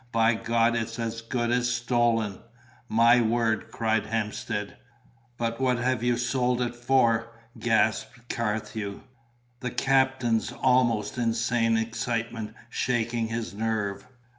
By God, it's as good as stolen!" "My word!" cried Hemstead. "But what have you sold it for?" gasped Carthew, the captain's almost insane excitement shaking his nerve.